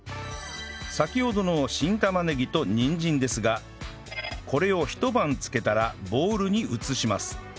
先ほどの新玉ねぎとにんじんですがこれを一晩漬けたらボウルに移します